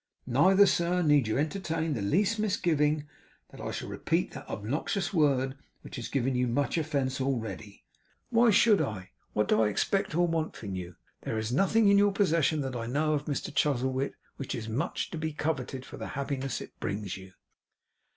Neither, sir, need you entertain the least misgiving that I shall repeat that obnoxious word which has given you so much offence already. Why should I? What do I expect or want from you? There is nothing in your possession that I know of, Mr Chuzzlewit, which is much to be coveted for the happiness it brings you.